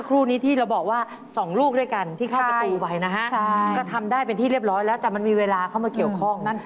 เราบอกว่า๒ลูกด้วยกันที่ใครเป็นตัวไวนะฮะทำได้เป็นที่เรียบร้อยแล้วแต่มันมีเวลาเข้ามาเกี่ยวข้อง